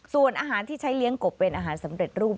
ส่วนอาหารที่ใช้เลี้ยงกบเป็นอาหารสำเร็จรูป